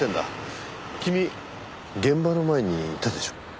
君現場の前にいたでしょ？